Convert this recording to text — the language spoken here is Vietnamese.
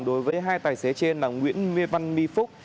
đối với hai tài xế trên là nguyễn mê văn mi phúc